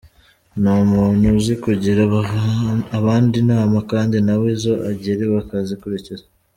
Ni umuntu uzi kugira abandi inama kandi nawe izo agiriwe akazikurikiza.